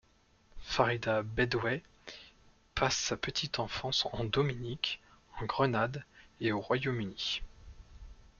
Farida Bedwei passe sa petite enfance en Dominique, en Grenade et au Royaume-Uni.